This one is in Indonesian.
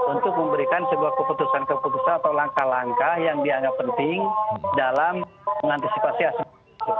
untuk memberikan sebuah keputusan keputusan atau langkah langkah yang dianggap penting dalam mengantisipasi asap